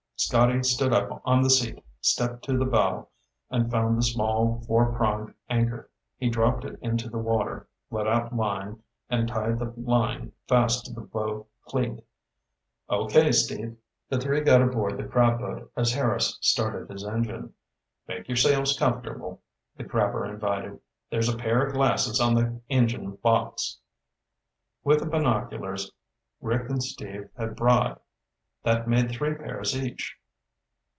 Scotty stood up on the seat, stepped to the bow, and found the small, four pronged anchor. He dropped it into the water, let out line, and tied the line fast to the bow cleat. "Okay, Steve." The three got aboard the crab boat as Harris started his engine. "Make yourselves comfortable," the crabber invited. "There's a pair of glasses on the engine box." With the binoculars Rick and Steve had brought, that made three pairs each.